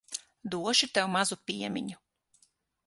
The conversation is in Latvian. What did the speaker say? Došu tev mazu piemiņu.